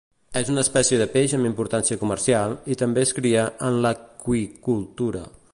És una espècie de peix amb importància comercial i també es cria en l'aqüicultura.